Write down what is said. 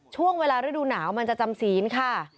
ช่วงเวลาฤดูหนาวมันจะจำศีลค่ะ